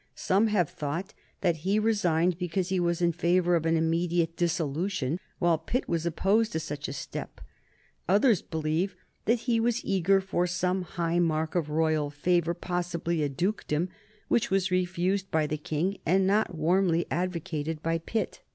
Some have thought that he resigned because he was in favor of an immediate dissolution, while Pitt was opposed to such a step. Others believe that he was eager for some high mark of royal favor, possibly a dukedom, which was refused by the King and not warmly advocated by Pitt.